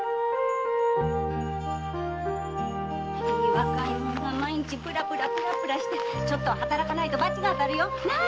若い者が毎日プラプラしてちょっとは働かないとバチがあたるよ！ねぇ。